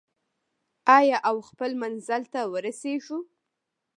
آیا او خپل منزل ته ورسیږو؟